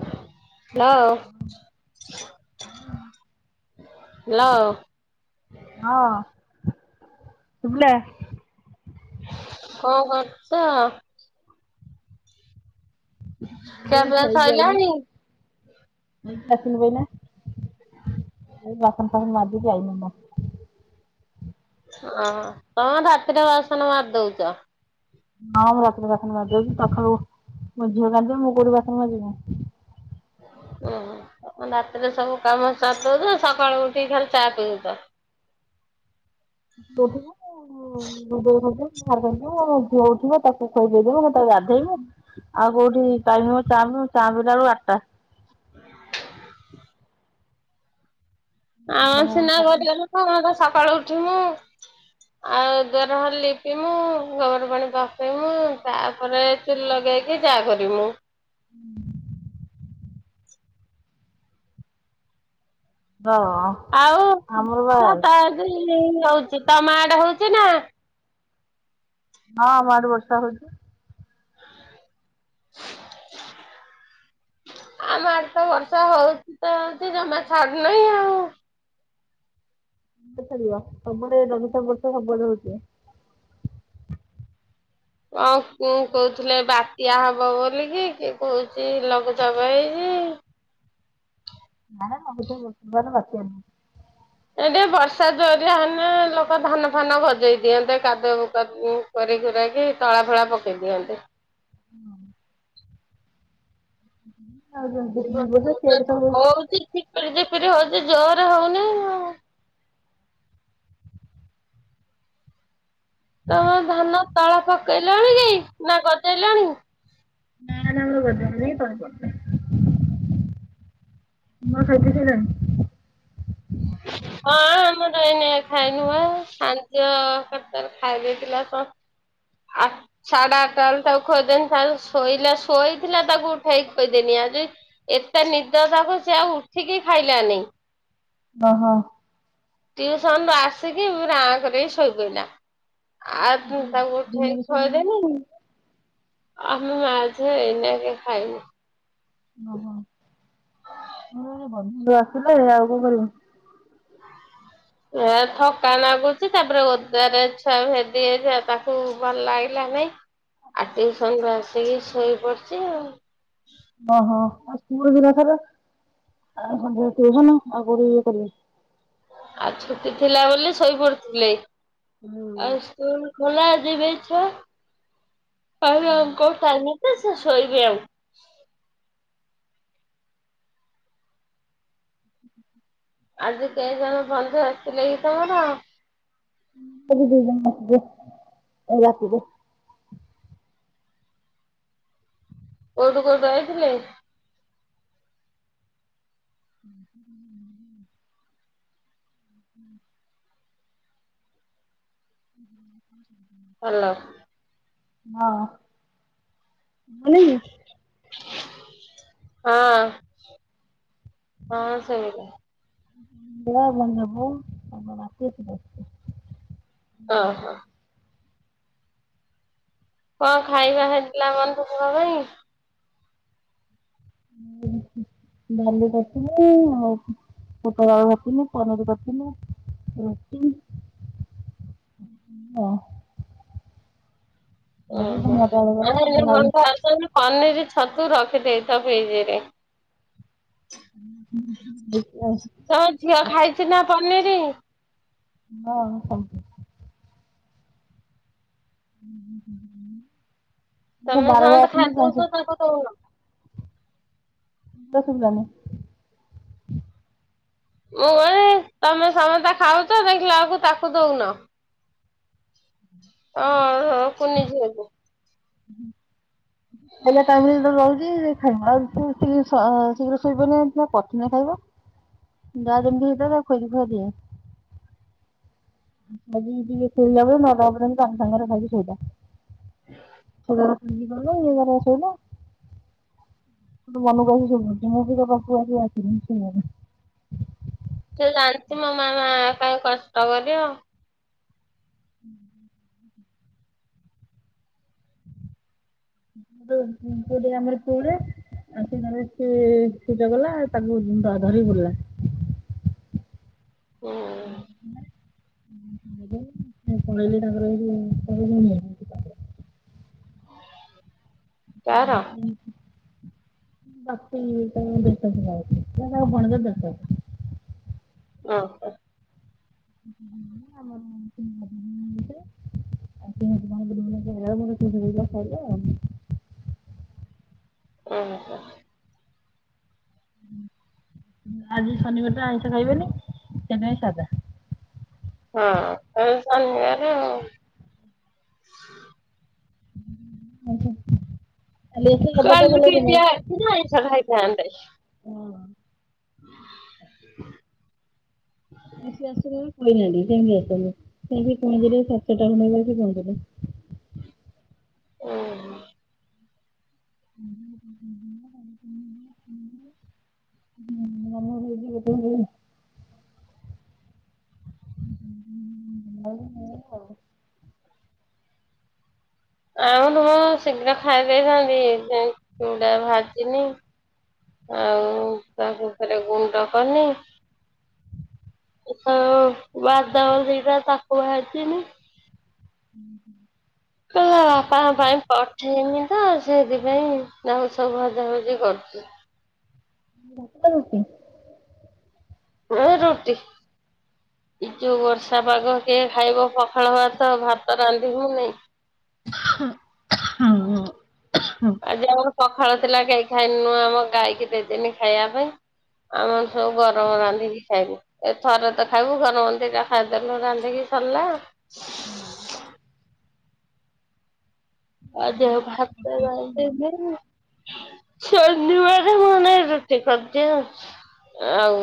Hello. Hello. ହଁ ଶୁଭିଲା। କଣ କରୁଛ। ମୁଁ ଖିଆ ପିଆ ଖାଇକି ଆଇନି। ସଇଲାଣି? ଆ ଗି ଆସିନ ପଇଲା ଏଇ ବାସନ ଫାସନ ମାଜିି କି ଆଇନି। ଓହୋ ତମର ରାାତିରେ ବାସନ ମାଜିଦଉଛ। ହଁ ମୁଁ ରାତିରେ ବାସନ ମାଜିଦଉଛି ଶଖାଳୁ ମୋ ଝିଅ ଗାଧୋଇବ ମୁଁ କଉଠୀ ବାସନ ମାଜିବି। ଓହୋ ରାତିରେ ସବୁ କାମ ସାରି ଦଉଛ କାଳୁ ଉଠିକି ଖାଲି ଚା ପିଉଛ। ବହୁ। ହୁଁ ମୋବୋଉ ଗାଧେଇଵ ମୋବାପା ଉଠିବ ଝିଅ ଉଠିବ ତାକୁ ଖୋଇଦେଇଜିବ ମୁ ତାକୁ ଗାଧେଇବ। ଆଉ କୋଉଠି ଚାଲିବ ଚାଲୁ ଚାଲିଲା ବେଳକୁ ଆଟା। ଆଉ କାମ ପୁଣି ସିନା ସାରିକି ତ ସକାଳୁ ଉଠି ମୁୁ ଆଉ ଦୁଆର ଘର ଲିପିମୁ ଗୋବର ପାଣି ପକେଇମୁ ତାପରେ ଚୁଲି ଲଗେଇକି ଯାହାକରି ମୁଁ। ହୁଁ ହଁ। ଆଉ ଆମର ବା ହଁ ହଉଛି ତମା ଆଦେ ହଉଛି ନା? ହଁ ଭାରି ବର୍ଷା ହଉଛି। [inaudible] ଆମଡେ ତ ବର୍ଷା ହଉଛି ତ ସେ ଜମା ଛାଡୁନାହିଁ ଆଉ। ଛାଦିବ ସବୁଆଡେ ଲଗୁ ଚାପ ବର୍ଷ ସବୁଆଦେ ହଉଛିି। ହଁ କ କହୁଥିଲେ ବାତ୍ୟା ହବ ବୋଲିକି କିଏ କହୁଛି ଲଘୁଚାପ ହେଇଛି। ହାଡେ ମରୁ ଥିବେ ବହୁ ତୁ ପବନ ବାତ୍ୟା ରେ। ଏ ମିତି ବର୍ଷା ଜୋରିଆ ହେଲେ ଲୋକ ଧାନ ଫାନ ଗଜେଇ ଦିଅନ୍ତେ କାଦୁ କରି ଖୁରାକି ତଳା ଫଳା ପକେଇ ଦିଅନ୍ତି। ହଁ। ହ ହୁଁ। ହଉଛି ଜିପିରି ଜିପିରୀ ହଉନି ଜୋରେ ହୋଉନେଇ। ତମ ଧାନ ତଳା ପକେଇଲଣି କି ନା ଗଜେଇଲାଣି? ନାଁ ନାଁ ଆମର ଗଜାହେଇ ନେଇ କି ତଳିପଡ଼ି ନେଇଁ। ମୋ ଖାଇପି ସାଇଲଣି? [inaudible] ହଁ ଆମର ଏଇନ ଖାଇନୁ ବା ସାନଝିଅ କେତବେଳେ ଖାଇଦେଇଥିଲା ଆପ। ସାଢେ ଆଠଟା ବେଳୁ ତାକୁ ଖଇଦେନି ତାର ଶୋଇଲା ଶୋଇଥିଲା ତାକୁ ଉଠେଇକି ଖୋଇଦେନି ଆଜି ଏତେ ନିଦ ତାକୁ ସେ ଆଉ ଉଠିକି ଖାଇଲାନି। ଓହୋ। ଟ୍ୟଉସନ ରୁ ଆସିକି ଆଁଙ୍କରିକି ଶୋଇପଡ଼ିଲା। ଆ ପୁ ତାକୁ ଉଠେଇ ଦିନରେ କି ଶୋଇନଥିଲ ନା ଖୋଇଦେନୀ। କଣ? ଆମେ ମାଝେ ଏଇନାକେ ଖାଇନି। ଓହୋ ବନ୍ଧୁବାନ୍ଧବ ଆସିଲେ ଏ ଆଉ କଣ କରିବୁ। ଏ ଥକା ନାଗୁଛି ତାପରେ ଓଦାରେ ଛୁଆ ଭେଦି ଯାଇଥିଲା ତାକୁ ଭଲ ଲାଗିଲା ନାଇଁ। ଆଉ ଟିଉସନ ରୁ ଆସିକି ଶୋଇପଡିଛି ଆଉ। ଓହୋ ଆଉ ସ୍କୁଲ ବି ତାଙ୍କର ସବୁବେଳେ ତିଉସନ ଆଉ କୋଉଠି ଇଏ କରିବୁ। ଆଜି ଛୁଟି ଥିଲା ବୋଲି ଶୋଇପଡିଥିଲେ, ଆଉ ଏବେ ସ୍କୁଲ୍ ଖୋଲା ଯିବେ ଛୁଆ ଆଉ ୟାଙ୍କ ପାନୀ ସେ ସେ ଶୋଇବି ଆଉ। ଆଜି କେଇ ଜଣ ବନ୍ଧୁ ଆସିଥିଲେ କି ତମର? ଆଜି ଦି ଜଣ ଆସିବେ ଉଁ ରାତିରେ। କୋଉଠୁ କୋଉଠୁ ଆଇଥିଲେ? ହୁଁ। ହୁଁଁ ଭଲ। ହଁ କଲେଜରେ। ହଁ ହଁ ସେଇ ଗୋଟା। ଉଁ ବରା ବନିବ [inaudible] ଓ ହୋ। କଁ ଖାଇବା ହେଇଥିଲା [unintelligible] ପାଇଁ। ଉଁ ହୁଁ ଡାଲି କରିଥିଲି ଆଉ ପୋଟଳ ଆଳୁ କରଥିନୁ ପନିରି କରଥିନୁ ରୁଟି। [inaudible] ଆଜି ଓହୋ ତମ ଅଟୋ ବାଲା [inaudible] ଗଲେ ତାଙ୍କ ଲାଗି ଆସିବେନ ପନିରି ଛତୁ ରଖିଦେଇଥା ଫ୍ରିଜିରେ। ହୁଁ ହୁଁ ହୁଁ ଦେଖ୍ ଆଉ ତମ ଝିଅ ଖାଇଛି ନା ପନିରି। [unintelligible] ହୁଁ ହୁଁ ହୁଁ ହୁଁ। ତମେ ସମତେ ଖାଇ ଦଉଚ ତାଙ୍କୁ କହୁନ। ଦଶୁ [unintelligible] ମୁଁ କହିଲି ତମେ ସମତେ ଖାଉଚ ଦେଖିଲା ବେଳୁକୁ ତାକୁ ଦଉନ। ଓହୋ କୁନି ଝୁଅକୁ। ଖାଇଲା ଟାଇମରେ ଯେତେବେଳେ ରହୁଛି [unintelligible] ସ ଶୀଘ୍ର ଶୋଇପଡିନ ସିନା କରଥିନେ ଖାଇବ। ଯା ଯେମତି ହେଇଥବ ତାକୁ ଖୋଜି ଖୁଆ ଦିଅ। ସବୁ ଯଦି ଏତେ ଇଏ ହୁଅନ୍ତା [unintelligible] ସାଙ୍ଗରେ ଖାଇକି ଶୋଇଯା। ସେ ଘର ଖୋଲିକି ଗଲେ ଇଏ ଗରା ଶୋଇଲା। ତୁ ତୋ ମନୁକୁ ଆସି ଶୋଇପଡୁଚୁ ମୁଁ ବି ତା ଆଜି ଆସି ଆସିିନି ଶୋଇବାକୁ। ସିଏ ଜାଣିଚି ମୋ ମାମା କାଇଁ କଷ୍ଟ କରିବ [inaudible] [unintelligible] ଆଉ ସେ ଘରେ ସିଏ ପୂଜା କଲା ତାକୁ ଧ ଧରିକି ବୁଲିଲା। କଁ? [inaudible] ମୁଁ ପଳେଇଲେ ତାଙ୍କର ଏ ଯୋଉ [unintelligible] କାର? ବାପି ତାଙ୍କର ଦୋକାନ ଯାଉ [inaudible] ସିଏ ମୋ ଭଣଜା ଯାହା କହିଲା। ଓହୋ। [inaudible] [inaudible] ଓହୋ। ଆଜି ଶନିବାରଟା ଆଇଁଷ ଖାଇବେନି ସେ ନେଇ ସାଦା। ହଁ ତମର ଶନିବାରେ ଆଉ। ଆଜ୍ଞା [unintelligible] ଟିକେ ଆଇଁସ ଖାଇଥାନ୍ତେ। ହଁ। [inaudible] ବ ଆସିବ କହିନାହାନ୍ତି ସେ ଆସନ୍ତୁ ସେ ପହଞ୍ଚିଲେ ସାତଶହ ଟଙ୍କାବାର ପହଞ୍ଚିଲେ। ଓ ହୋ। [unintelligible] ହୁଁ [inaudible] [unintelligible] ଆଉ ତମ ଶୀଘ୍ର ଖାଇ ଦେଇଥାନ୍ତି ଯେ ଚୂଡା ଭାଜିନି। ଆଉ ତାକୁ ଫରେ ଗୁଣ୍ଡ କନି ବାଦମ ସେଇଟା ତାକୁ ଭାଜିନି। ହୁଁ ହୁଁ। କହିଲା [inaudible] ବାପାଙ୍କ ପାଇଁ ପଠେଇମି ତ ସେଥିପାଇଁ ଯାଉ ସବୁ ଭଜାଭଜି କରୁଛି। [unintelligible] ଏ ରୁଟି। ଏ ଯୋଉ ବର୍ଷା ପାଗ କିଏ ଖାଇବ ପଖାଳ ଭାତ ଭାତ ରାନ୍ଧିବୁ ନାଇଁ [inaudible] ଆଜି ଆମର ପଖାଳ ଥିଲା କେହି ଖାଇନୁ ଆମ ଗାଈକି ଦେଇଦେଲି ଖାଇବା ପାଇଁ। ଆମର ସବୁ ଗରମ ରାନ୍ଧିକି ଖାଇନୁ। ଏ ଥର ତ ଖାଇବୁ [unintelligible] ଖାଇଦେଲୁ ରାନ୍ଧିକି ସରିଲା। ହୁଁ। ଆଁ ଦେହ ପାହାତ [unintelligible] ଶନିବାର ମୁଁ ନାଇଁ ରୁଟି କରିଦିଅ ଆଉ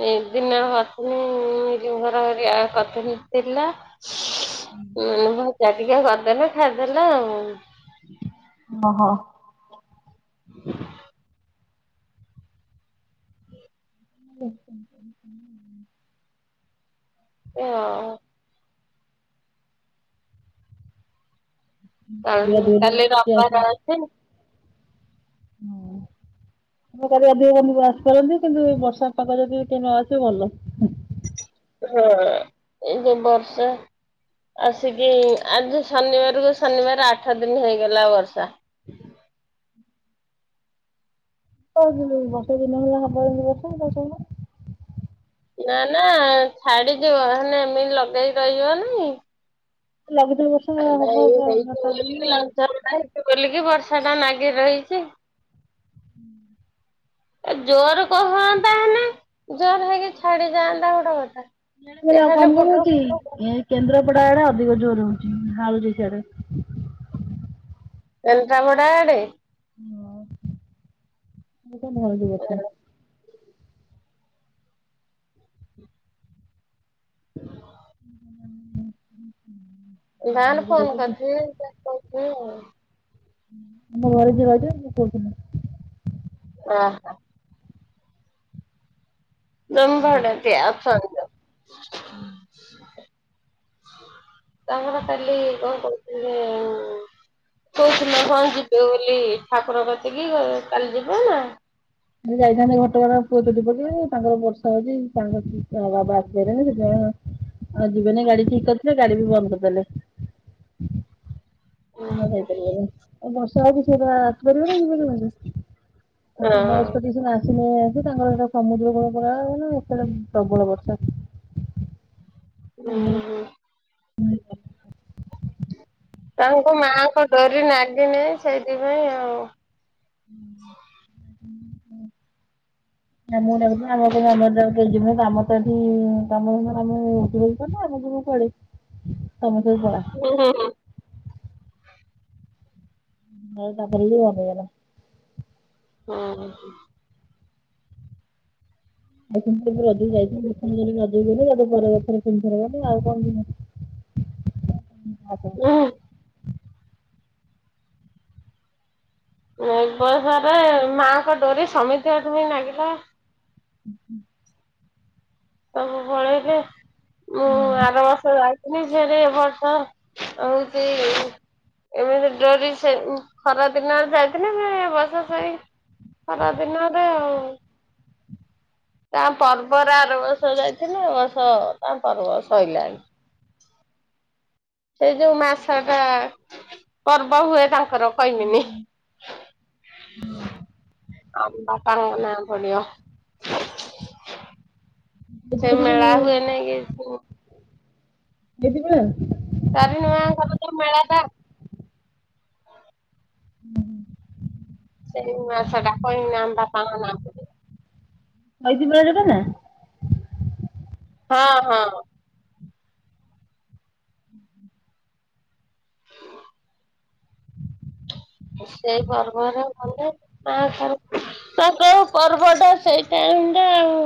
ହେ ଦିନ କରିଥିନି ମିଲିମ କର ହେରିକା କରିଥିନି ଥିଲା। ହଁ ଭଜା ଟିକେ କରିଦେଲେ ଖାଇଦେଲେ ଆଉ। ଓ ହୋ। [inaudible] [inaudible] ଓ କ କାଲି ରବିବାର ଅଛି। ହୁଁ। କରି ଅଧିକ ବଦ୍ଧୁ ଆସି କରନ୍ତି କିନ୍ତୁ ବର୍ଷା ପାଗ ଯଦି କେ ନ ଆସିବ ଭଲ। ହୁଁ ଏଇ ଯୋଉ ବର୍ଷା ଆସିକି ଆଜି ଶନିବାରକୁ ଶନିବାର ଆଠ ଦିନ ହେଇଗଲା ବର୍ଷା। କ ବର୍ଷେ ଦିନ ଭଳିଆ ହବ ବସୁ ତୁ ନା ନା ଛାଡିଯିବ ହେନେ ଏମିତି ଲଗେଇ ରହିବ ନାଇଁ। ଲଘୁଚାପ ବର୍ଷା ଏ ହବ ଏଇ ହେଇ ବ ଚାରି ଦିନ ଆଉ। ଲଘୁଚାପ ଟା ହେଇ ବୋଲିକି ବର୍ଷା ଟା ନାଗି ରହିଛି। ହୁଁ। ଏ ଜୋର କହ ଜୋର ହେଇକି ଛାଡି ଯାଆନ୍ତା ଗୋଟେ କଥା। ଉ ସେ କମ ଖାଲି କମ ପୁଟୁରୁ ହଉଛି ପୁଟୁରୁ ଏ କେନ୍ଦ୍ରାପଡ଼ା ଆଡେ ଅଧିକ ଜୋର ହଉଛି ଝାଳୁଛି ସିଆଡେ। କେନ୍ଦ୍ରାପଡ଼ା ଆଡେ? ହଁ ମୁଁ ଗୋଟେ ହଳଦି ଗଛ। [inaudible] [unintelligible] ଘରେ ଧାନ ଯିଏ ଫୋନ ରହିଛନ୍ତି କରିଛି [unintelligible] ମୋ ଘରେ ଯିଏ ରହିିବ ମୁଁ କହୁଥିଲି। ଓ ହୋ। [unintelligible] ତାଙ୍କର କାଲି କ [inaudible] କହୁଥିଲ ହଁ ଯିବେ ବୋଲି ଠାକୁର କତିକି ଗ କାଲି ଯିବେ ନା? ସେ ଯାଇଥାନ୍ତେ ଘଟଗଡ ପୁଅ ତୋ ବୋଲି ତାଙ୍କର ବର୍ଷା ହୋଉଚି ତାଙ୍କ ବାବା ଆସିଗଲେଣି ସେଥିପାଇଁ ଆଉ ଯିବେନେଇ ଗାଡି ଠିକ୍ କରିଥିଲେ ଗାଡି ବି ବନ୍ଦ୍ କରିଦେଲେ। ହଁ ନାଁ ଯାଇପାରିବନି ଏ ବର୍ଷା ହୋଉଚି ସିଏ ପା ଆସି ପରିବନି, ଯିବ କେମିତି। ହୁଁ ଏତେ ବସ୍ କତିକି ସିନା ସେ ନେଇ ଆସି ତାଙ୍କର ହେଟା ସମୁଦ୍ର କୂଳ ପୁରା ଏତେଳେ ପ୍ରବଳ ବର୍ଷା। ଉ ହୁଁ। ତାଙ୍କୁ ମାଆଙ୍କ ଡୋରି ନାଗିନେଇ ଆଉ ସେଇଥିପାଇଁ ଆଉ। ଆମକୁ ଗାକୁଥୁଆ ଆମେ କଇନୁ ଆମ ତ ସେ ଯୁହେଁ କାମ ତ ଏଠି କାମ ଆମେ ଉଠି ବସିପାରୁନୁ ଆମେ ସବୁ କୁଆଡେ। ତମେ ସବୁ ପଳା। ହୁଁ ହୁଁ ହୁଁ। ନ‌ଟା ପଲି ବନ୍ଦ୍ ହେଇଗଲା। ହଁ। ଆଉ ସେମିତି ବି ରଜକୁ ଯାଇଥିଲି ଦିଥର ଗଲି ରଜକୁ ଗଲି ରେ ପରେ ଆଉଥରେ ତିନିଥର ଗଲି ଆଉ କଣ ଜିମି? ଉଁ ହୁଁ। ଏ ବର୍ଷରେ ରେ ମାଙ୍କ ଡୋରି ସମିତିଙ୍କଠୀ ବି ନାଗିଲା। ସବୁ ପଳେଇଲେ ମୁଁ ଆର ବର୍ଷ ଯାଇ ଯେ ଏ ବର୍ଷ ହଉଛି। ଏମିତି ଡୋରି ସେ ଖରା ଦିନରେ ଯାଇଥିଲି ସେ ବର୍ଷ ସେଇ ଖରାଦିନରେ ଆ, ତା ପର୍ବରେ ଆରବ ବର୍ଷ ଯାଇଥିଲି ଏ ବର୍ଷ ତା ପର୍ବ ସଇଲାଣି। ସେ ଯୋଉ ମାସ ଟା ପର୍ବ ହୁଏ ତାଙ୍କର କଇମିନି। ଆମ୍ ବାପା ଙ୍କ ନା ପଡିବ। ସେ ମେଳା ହୁଏ ନେଇଁ କି ପୁ ଦେଇଚି ପା। ତାରିଣି ସେନାଙ୍କ ଯୋଉ ମେଳା ଟା ସେଇ ମାସଟା କଇମିନା ଆମ ବାପାଙ୍କ ନା? ହଇତି ବାର କନା ହଁ ହଁ। ସେଇ ଖର ପାଗରେ ଗଲେ ମା ତାର ତା କୋଉ ପର୍ବଟା ସେଇଟାଇମ୍ ଟା ଆଉ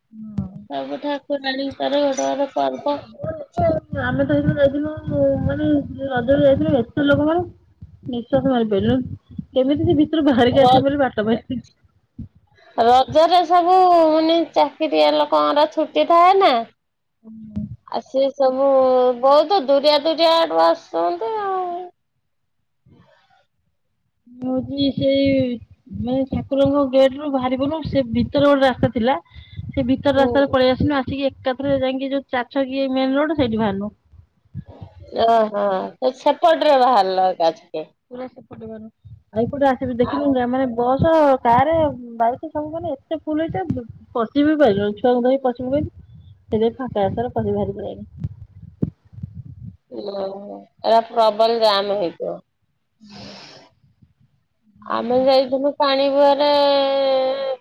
ନା ସବୁ ଠାକୁରାଣୀଙ୍କର ଗୋଟେ ଗୋଟେ ପର୍ବ। ଆମେ ତ ହେଇଥର ଯାଇଥିଲୁ ମାନେ ରଜରେ ଯାଇଥିଲୁ ଏତେ ଲୋକମାନେ। ନିଶ୍ୱାସ ମାରି ପାଇଲୁନୁ କେମିତି ସେ ଭିତରୁ ବାହାରିକି ର ଆସିବି ବୋଲି ବାଟ ପାଇି ରଜରେ ସବୁ ମାନେ ଚାକିରିଆ ଲୋକଙ୍କର ଛୁଟି ଥାଏ ନା। ଆ ସିଏ ସବୁ ବହୁତୁ ଦୁରିଆ ଦୁରିଆ ଆଡୁ ଆସୁଅନ୍ତି। ହୋଉଚି ସେଇ ଆମେ ଏଇ ଠାକୁରଙ୍କ ଗେଟ୍ ରୁ ବାହାରିଗନୁ ସେ ଭିତରେ ଗୋଟେ ରାସ୍ତା ଥିଲା। ସେ ଭିତର ହୁଁ ରାସ୍ତାରେ ପଳେଇ ଆସିନୁ, ଆସିକି ଏକାଥରେ ଯାଇଁକି ଯୋଉ ଚାରିଛକି ମେନ୍ ରୋଡ ସେଇଠି ବାହାରିନୁ। ଆହାଁ, ତ ସେପଟ୍ ରେ ବାହାରିଲ ଏକାଛେକେ। ପୁରା ସେପଟେ ଗଲୁ ଆଉ ଏଇପଟେ ଆସିଲୁ ଦେଖିଲୁ ଗାମେ ବସ କାର ବାଇକ ସବୁ ମାନେ ଏତେ ଫୁଲ ହେଇଥାଏ ପଶି ବିି ପାଇଲୁନି ଛୁଆଙ୍କୁ ଧର ପଶିିବୁ କେମିତି, ସେଇଥି ପାଇଁ ଫାଙ୍କା ରାସ୍ତାରେ ପଶି ବାହାରି ପଳି ଆଇନି। ହଁ ଏରା ପ୍ରବଳ ଜାମ ହେଇଥିବ। ଆମେ ଯାଇଥିନୁ ପାଣି ବୁହାରେ ଏ-ଏ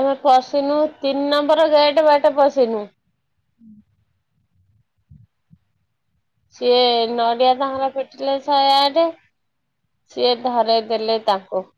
ଆମେ ପଶିନୁ ତିନ୍ ନମ୍ବର ଗେଟ୍ ବାଟେ ପଶିନୁ। ହୁଁ। ସିଏ ନଡିଆ ତାଙ୍କର ପିଟିଲେ ଶହେ ଆଠେ। ସିଏ ଧରେଇ ଦେଲେ ତାଙ୍କୁ।